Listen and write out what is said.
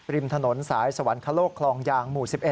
ริมถนนสายสวรรคโลกคลองยางหมู่๑๑